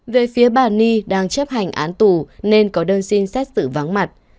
về phía bà ni đang chấp hành án tù nên có đơn xin xét xử vắng mặt